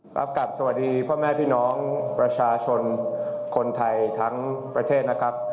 กลับสวัสดีพ่อแม่พี่น้องประชาชนคนไทยทั้งประเทศนะครับ